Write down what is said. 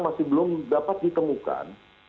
masih belum dapat ditemukan